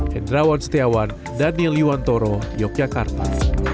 hendrawan setiawan daniel yuwantoro yogyakarta